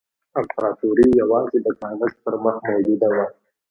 امپراطوري یوازې د کاغذ پر مخ موجوده وه.